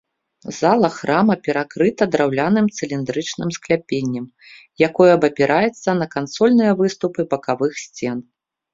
Зала храма перакрыта драўляным цыліндрычным скляпеннем, якое абапіраецца на кансольныя выступы бакавых сцен.